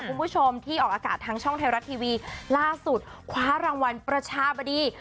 คุณผู้ชมที่ออกอากาศทางช่องไทยรัฐทีวีล่าสุดคว้ารางวัลประชาบดี